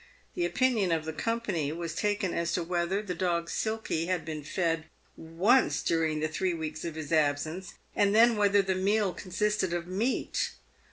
The opinion of the company was taken as to whether the dog Silky had been fed once during the three weeks of his absence, and then whether the meal consisted of meat.